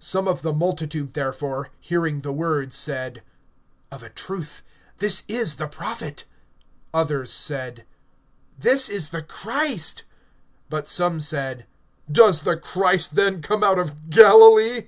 (40)Some of the multitude therefore, hearing the words, said: Of a truth this is the Prophet. (41)Others said: This is the Christ. But some said: Does the Christ then come out of Galilee?